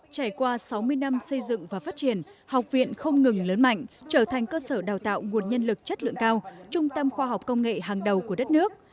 trải qua sáu mươi năm xây dựng và phát triển học viện không ngừng lớn mạnh trở thành cơ sở đào tạo nguồn nhân lực chất lượng cao trung tâm khoa học công nghệ hàng đầu của đất nước